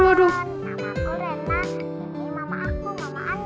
nama aku rena